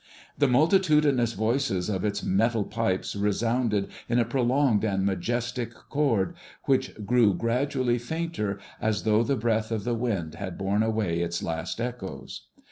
The multitudinous voices of its metal pipes resounded in a prolonged and majestic chord, which grew gradually fainter, as though the breath of the wind had borne away its last echoes.